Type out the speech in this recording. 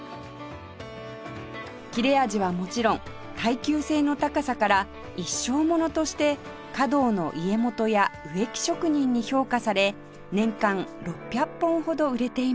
切れ味はもちろん耐久性の高さから一生ものとして華道の家元や植木職人に評価され年間６００本ほど売れています